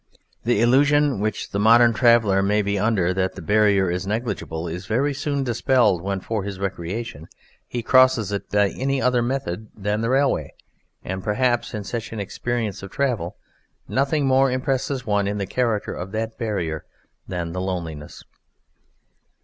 The illusion which the modern traveller may be under that the barrier is negligible is very soon dispelled when for his recreation he crosses it by any other methods than the railway; and perhaps in such an experience of travel nothing more impresses one in the character of that barrier than the loneliness.